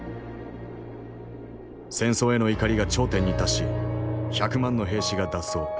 戦争への怒りが頂点に達し１００万の兵士が脱走。